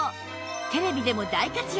テレビでも大活躍